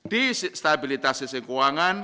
di stabilitas sisi keuangan